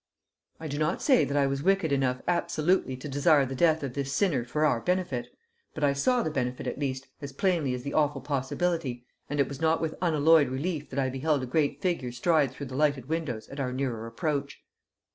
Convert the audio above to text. I do not say that I was wicked enough absolutely to desire the death of this sinner for our benefit; but I saw the benefit at least as plainly as the awful possibility, and it was not with unalloyed relief that I beheld a great figure stride through the lighted windows at our nearer approach.